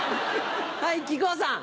はい木久扇さん。